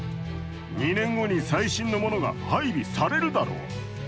２年後に最新のものが配備されるだろ。